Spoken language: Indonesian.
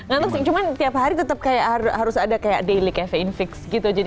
ganteng sih cuman tiap hari tetap harus ada kayak daily caffeine fix gitu